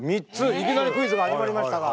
いきなりクイズが始まりましたが。